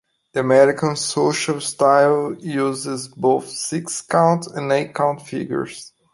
The American Social style uses both six-count and eight-count figures.